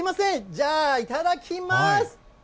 じゃあ、いただきます。